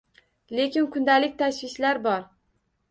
Lekin kundalik tashvishlar bor.